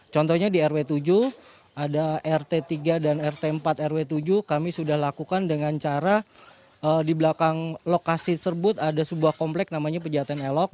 contohnya di rw tujuh ada rt tiga dan rt empat rw tujuh kami sudah lakukan dengan cara di belakang lokasi serbut ada sebuah komplek namanya pejaten elok